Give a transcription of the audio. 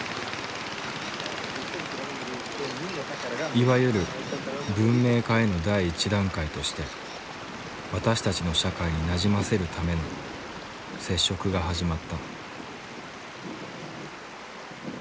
いわゆる文明化への第１段階として私たちの社会になじませるための接触が始まった。